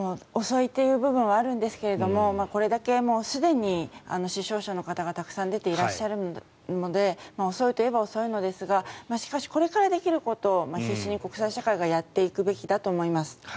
遅いという部分はあるんですがこれだけすでに死傷者の方がたくさん出ていらっしゃるので遅いといえば遅いんですがしかし、これからできることを必死に国際社会がやっていくべきだと思います。